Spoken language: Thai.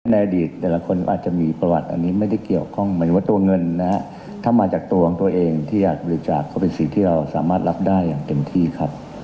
ในอดีตแต่ละคนอาจจะมีประวัติอันนี้ไม่ได้เกี่ยวข้องหมายถึงว่าตัวเงินนะฮะถ้ามาจากตัวของตัวเองที่อยากบริจาคก็เป็นสิ่งที่เราสามารถรับได้อย่างเต็มที่ครับ